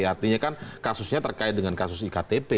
artinya kan kasusnya terkait dengan kasus iktp